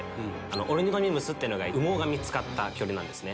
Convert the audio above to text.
オルニトミムスっていうのが羽毛が見つかった恐竜なんですね。